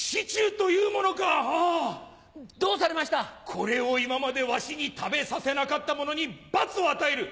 これを今までわしに食べさせなかった者に罰を与える。